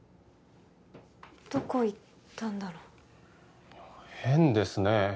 どこ行ったんだろ変ですね